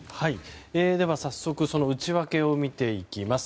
早速、その内訳を見ていきます。